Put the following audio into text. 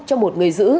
cho một người giữ